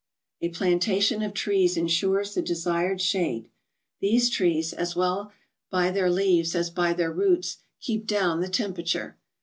A plantation of trees ensures the desired shade; these trees, as well by their leaves as by their roots, keep down the temperature.